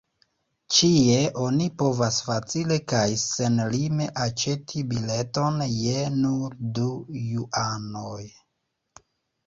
Ĉie oni povas facile kaj senlime aĉeti bileton je nur du juanoj.